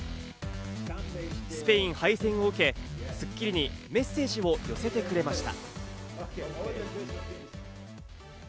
スペイン敗戦を受け、『スッキリ』にメッセージを寄せてくれました。